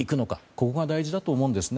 ここが大事だと思うんですね。